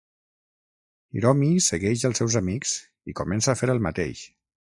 Hiromi segueix els seus amics i comença a fer el mateix.